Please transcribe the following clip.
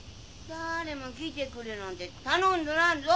誰も来てくれなんて頼んどらんぞ。